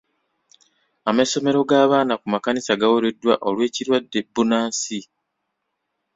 Amasomero g'abaana ku makanisa gawereddwa olw'ekirwadde bbunansi.